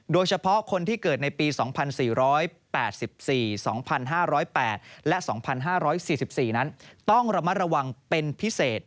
โดยเฉพาะคนที่เกิดในปี๒๔๘๔๒๕๐๘และ๒๕๔๔นั้นต้องระมัดระวังเป็นพิเศษ